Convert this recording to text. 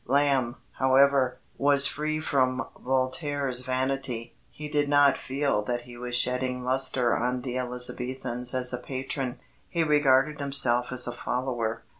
Lamb, however, was free from Voltaire's vanity. He did not feel that he was shedding lustre on the Elizabethans as a patron: he regarded himself as a follower.